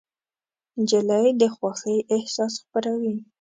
نجلۍ د خوښۍ احساس خپروي.